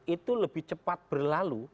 itu lebih cepat berlalu